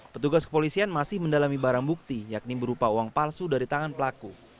petugas kepolisian masih mendalami barang bukti yakni berupa uang palsu dari tangan pelaku